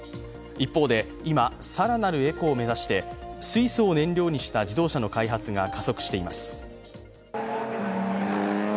一方で、今、更なるエコを目指して、水素を燃料にした自動車の開発が加速しています。